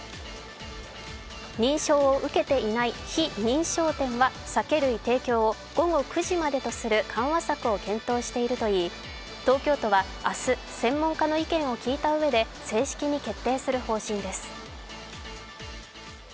認証を受けていない非認証店は酒類提供を午後９時までとする緩和策を検討しているといい、東京都は明日、専門家の意見を聞いたうえで正式に決定する方針です。